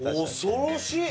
恐ろしい！